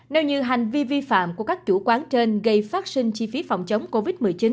nếu như hành vi vi phạm của các chủ quán trên gây phát sinh chi phí phòng chống covid một mươi chín